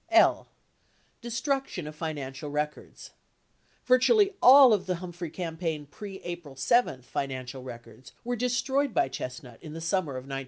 82 L. Destruction or Financial Records Virtually all of the Humphrey campaign pre April 7 financial records were destroyed by Chestnut in the summer of 1972.